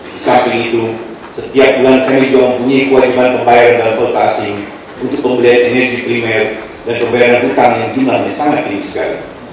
di samping itu setiap bulan kami juga mempunyai kewajiban pembayaran transportasi untuk pembelian energi primer dan pemberian utang yang jumlahnya sangat didesain